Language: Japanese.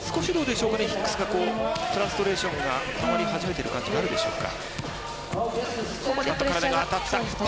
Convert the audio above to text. ヒックスがフラストレーションがたまり始めている感じがあるでしょうか。